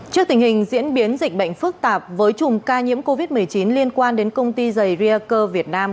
trước tình hình diễn biến dịch bệnh phức tạp với chùm ca nhiễm covid một mươi chín liên quan đến công ty giày riacer việt nam